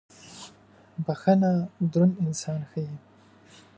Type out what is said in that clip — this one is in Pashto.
• بخښن دروند انسان ښيي.